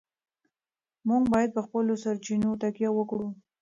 موږ باید په خپلو سرچینو تکیه وکړو.